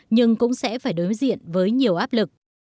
nhưng cũng sẽ phải đối diện với nhiều áp lực